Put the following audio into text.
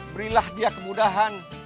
berilah dia kemudahan